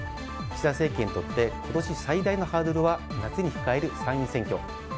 岸田政権にとって今年最大のハードルは夏に控える参議院選挙。